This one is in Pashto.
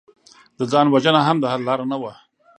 د ځان وژنه هم د حل لاره نه وه